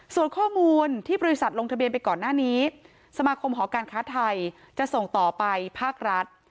ส่วนข้อมูลที่บริษัทลงทะเบียนไปก่อนหน้านี้สมาคมหอการค้าไทยจะส่งต่อไปภาครัฐ